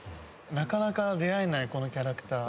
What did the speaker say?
なかなか出会えないこのキャラクター。